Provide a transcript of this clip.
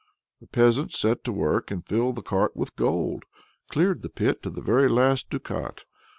The peasant set to work and filled the cart with gold; cleared the pit to the very last ducat.